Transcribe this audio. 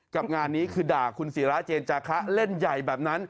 กับงานนี้คือด่าคุณศิราเจนจาคะเล่นใหญ่แบบนั้น